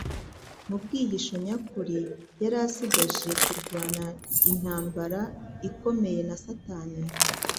mu bwihisho nyakuri. Yari asigaje kurwana intambara ikomeye na Satani